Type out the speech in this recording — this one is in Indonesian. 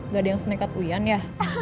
gak ada yang snekat uian ya